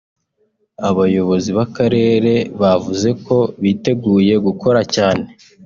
Abayobozi b’akarere bavuze ko biteguye gukora cyane